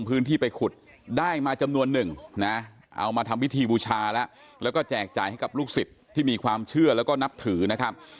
เอามาทำวิธีบูชาแล้วแล้วก็แจกจ่ายให้กับลูกศิษย์ที่มีความเชื่อแล้วก็นับถือนะครับ